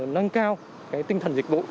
nâng cao tinh thần dịch vụ